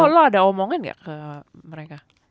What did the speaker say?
lo ada omongin gak ke mereka